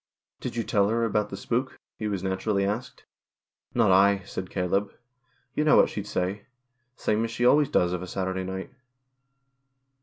" Did you tell her about the spook ?" he was naturally asked. "Not I," said Caleb. "Yon know what she'd say. Same as she always does of a Saturday night."